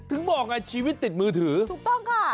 ถึงบอกไงชีวิตติดมือถือถูกต้องค่ะ